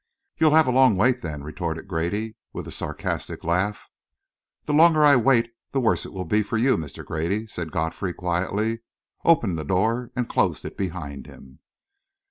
"You'll have a long wait, then!" retorted Grady, with a sarcastic laugh. "The longer I wait, the worse it will be for you, Mr. Grady," said Godfrey quietly, opened the door and closed it behind him.